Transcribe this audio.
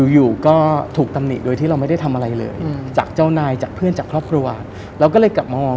อยู่ก็ถูกตำหนิโดยที่เราไม่ได้ทำอะไรเลย